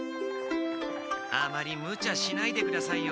あまりムチャしないでくださいよ。